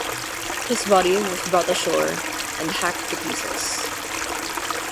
His body was brought ashore and hacked to pieces.